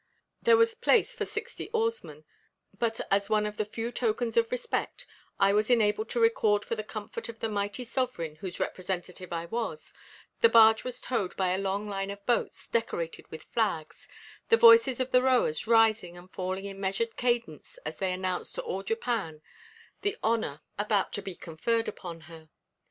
There was place for sixty oarsmen, but as one of the few tokens of respect, I was enabled to record for the comfort of the mighty sovereign whose representative I was, the barge was towed by a long line of boats, decorated with flags, the voices of the rowers rising and falling in measured cadence as they announced to all Japan the honor about to be conferred upon her.